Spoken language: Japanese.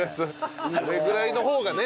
それぐらいの方がね。